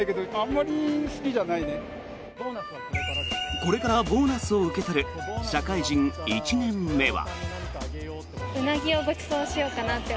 これからボーナスを受け取る社会人１年目は。